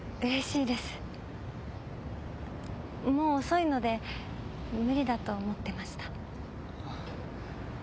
もう遅いので無理だと思ってました。